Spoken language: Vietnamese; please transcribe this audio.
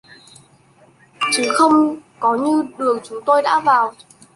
Chứ không có đường như chúng tôi đã vào